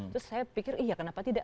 terus saya pikir iya kenapa tidak